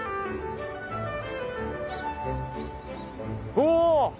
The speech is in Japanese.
お！